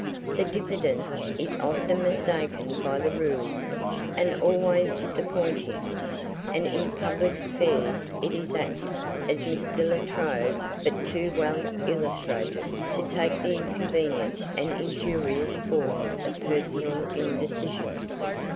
The diffidence is often mistaken by the ruled, and always disappointing; and in public affairs it is apt, as Mr. La Trobe but too well illustrated, to take the inconvenient and injurious form of personal indecision.